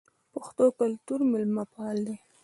پښتو کلتور میلمه پال دی